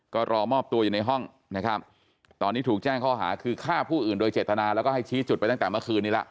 ก็รอมอบตัวอยู่ในห้องนะครับตอนนี้ถูกแจ้งข้อหาคือฆ่าผู้อื่นโดยเจตนาแล้วก็ให้ชี้จุดไปตั้งแต่เมื่อคืนนี้แล้ว